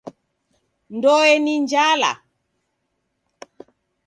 Ndoe ni njala.